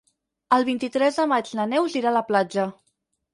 El vint-i-tres de maig na Neus irà a la platja.